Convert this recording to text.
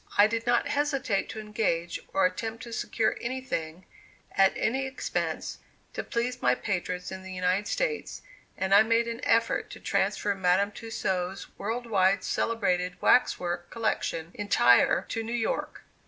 I did not hesitate to engage, or attempt to secure anything, at any expense, to please my patrons in the United States, and I made an effort to transfer Madame Tussaud's world wide celebrated wax work collection entire to New York.